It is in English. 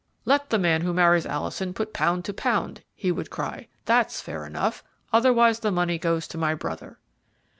"'Let the man who marries Alison put pound to pound,' he would cry; 'that's fair enough, otherwise the money goes to my brother.'